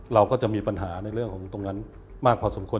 เราก็จะมีปัญหาในเรื่องของตรงนั้นมากพอสมควร